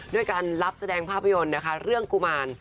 ด้วยการรับแจ้งภาพยนต์เรื่องกุมาร